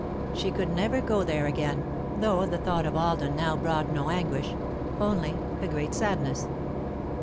She could never go there again, though the thought of Alden now brought no anguish only a great sadness.